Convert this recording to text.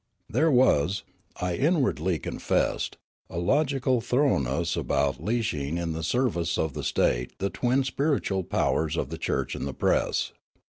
There was, I inwardly confessed, a logical thorough ness about leashing in the service of the state the twin spiritual powers of the church and the press.